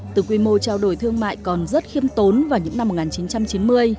từ quy mô trao đổi thương mại còn rất khiêm tốn vào những năm một nghìn chín trăm chín mươi